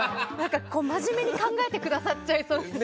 真面目に考えてくださっちゃいそうですね。